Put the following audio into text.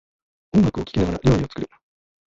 音楽を聴きながら料理を作る